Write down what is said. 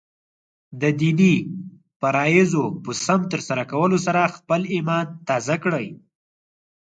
د دیني فریضو په سم ترسره کولو سره خپله ایمان تازه کړئ.